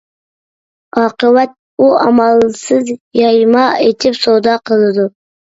ئاقىۋەت ئۇ ئامالسىز يايما ئېچىپ سودا قىلىدۇ.